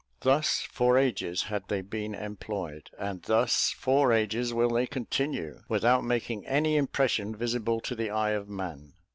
Thus for ages had they been employed, and thus for ages will they continue, without making any impression visible to the eye of man.